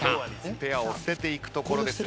ペアを捨てていくところですが。